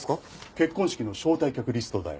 結婚式の招待客リストだよ。